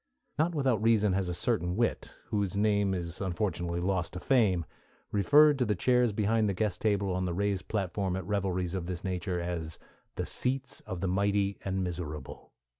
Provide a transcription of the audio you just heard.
Not without reason has a certain wit, whose name is unfortunately lost to fame, referred to the chairs behind the guest table on the raised platform at revelries of this nature as "The Seats of the Mighty and Miserable."